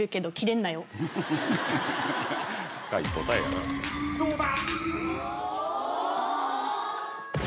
どうだ